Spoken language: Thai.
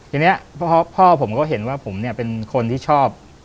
ทีนี้พ่อผมก็เห็นว่าผมเนี่ยเป็นคนที่ชอบ